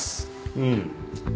うん。